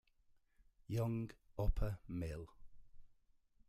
Young upper mill.